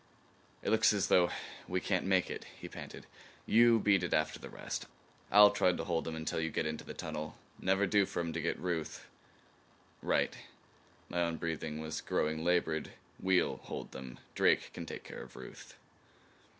"If it looks as though we can't make it," he panted, "YOU beat it after the rest. I'll try to hold 'em until you get into the tunnel. Never do for 'em to get Ruth." "Right." My own breathing was growing labored, "WE'LL hold them. Drake can take care of Ruth."